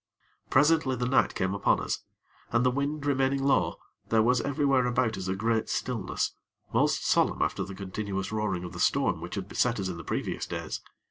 Presently, the night came upon us, and, the wind remaining low, there was everywhere about us a great stillness, most solemn after the continuous roaring of the storm which had beset us in the previous days.